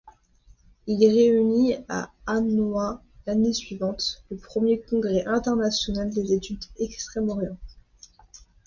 Il réunit à Hanoi, l'année suivante, le premier Congrès international des études d'Extrême-Orient.